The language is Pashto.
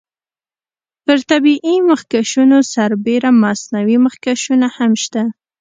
پر طبیعي مخکشونو سربیره مصنوعي مخکشونه هم شته.